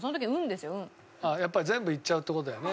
ああやっぱり全部いっちゃうって事だよね。